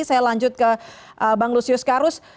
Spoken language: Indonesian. saya lanjut ke bang lusius karus